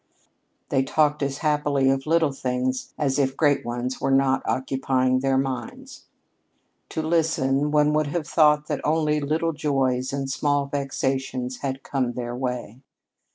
They talked as happily of little things as if great ones were not occupying their minds. To listen, one would have thought that only "little joys" and small vexations had come their way.